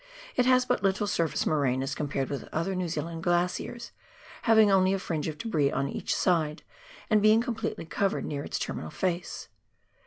It has but little surface moraine as compared with other New Zealand glaciers, having only a fringe of debris on each side and being completely covered near its terminal face.